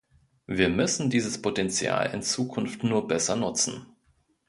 Wir müssen dieses Potential in Zukunft nur besser nutzen.